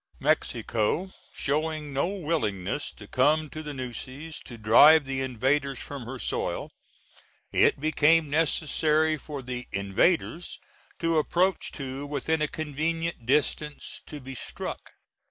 Mexico showing no willingness to come to the Nueces to drive the invaders from her soil, it became necessary for the "invaders" to approach to within a convenient distance to be struck.